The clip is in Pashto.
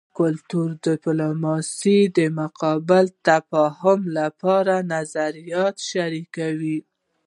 کلتوري ډیپلوماسي د متقابل تفاهم لپاره نظریات شریکوي